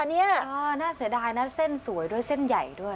อันนี้น่าเสียดายนะเส้นสวยด้วยเส้นใหญ่ด้วย